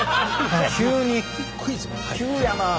急やな。